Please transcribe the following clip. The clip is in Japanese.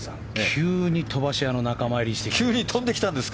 急に飛ばし屋の仲間入りしてきたんです。